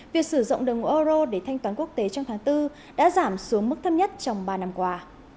việc sử dụng đồng euro để thanh toán quốc tế trong tháng bốn đã giảm xuống mức thấp nhất trong ba năm qua